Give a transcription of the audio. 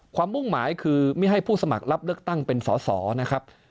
มุ่งหมายคือไม่ให้ผู้สมัครรับเลือกตั้งเป็นสอสอนะครับ